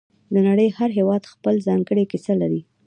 د نړۍ هر هېواد خپله ځانګړې کیسه لري